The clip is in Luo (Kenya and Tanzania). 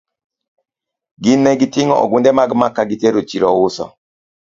Gin ne gitong'o ogunde mag maka gitero chiro uso.